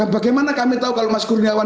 bagaimana kami tahu kalau mas kurniawan